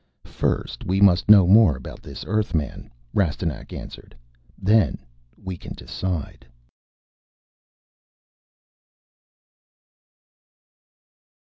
"First we must know more about this Earthman," Rastignac answered. "Then we can decide."